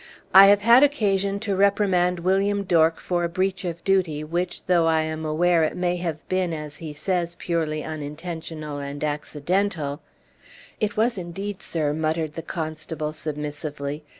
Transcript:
"I have had occasion to reprimand William Dork for a breach of duty, which, though I am aware it may have been, as he says, purely unintentional and accidental " "It was indeed, sir," muttered the constable, submissively.